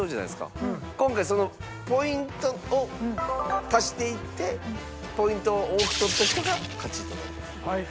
今回ポイントを足していってポイントを多く取った人が勝ちとなります。